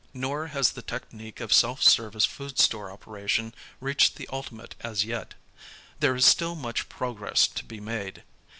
Nor has the technique of self service food store operation reached the ultimate as yet. There is still much progress to be made.